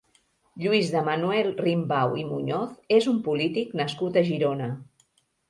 Lluís de Manuel-Rimbau i Muñoz és un polític nascut a Girona.